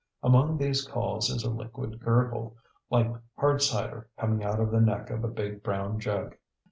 Among these calls is a liquid gurgle, like hard cider coming out of the neck of a big brown jug.